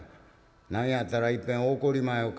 何やったらいっぺん怒りまひょか？」。